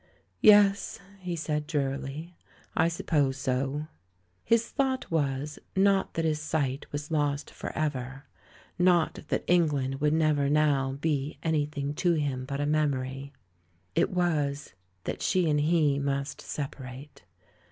"Yes," he said, drearily. ... "I suppose so." His thought was, not that his sight was lost for ever; not that England would never now be any 150 THE ]\iAN WHO UNDERSTOOD WOMEN thing to him but a memory It was, that she and he must separate.